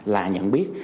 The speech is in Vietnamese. là nhận biết